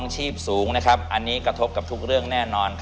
แหม่